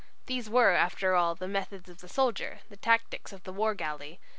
These were, after all, the methods of the soldier, the tactics of the war galley.